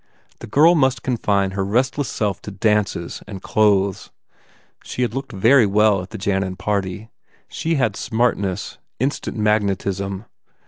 The girl must confine her restless self to dances and clothes. She had looked very well at the Jannan party. She had smartness, instant magnetism.